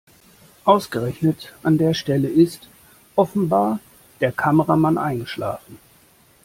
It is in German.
Ausgerechnet an der Stelle ist offenbar der Kameramann eingeschlafen.